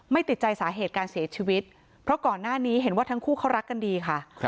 ติดใจสาเหตุการเสียชีวิตเพราะก่อนหน้านี้เห็นว่าทั้งคู่เขารักกันดีค่ะ